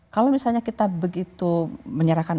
kalau misalnya kita begitu menyerahkan